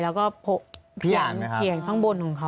แล้วก็เห็นข้างบนของเขา